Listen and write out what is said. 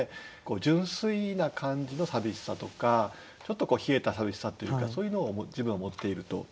純粋な感じのさびしさとかちょっと冷えたさびしさというかそういうのを自分は持っていると。